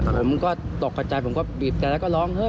ผมก็ตกกระใจผมก็บีบแต่แล้วก็ร้องเฮ